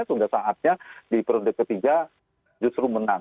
sehingga saatnya di perundek ketiga justru menang